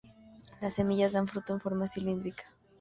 Las semillas dan fruto en forma cilíndrica.